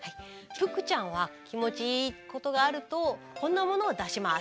腹ちゃんは気持ちいいことがあるとこんなものを出します。